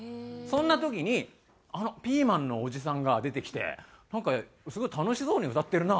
そんな時にピーマンのおじさんが出てきて「なんかすごい楽しそうに歌ってるな」